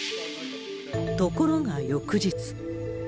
ところが翌日。